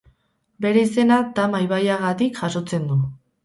Bere izena Tama ibaiagatik jasotzen du.